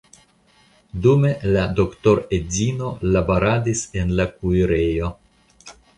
Dume la doktoredzino laboradis en la kuirejo.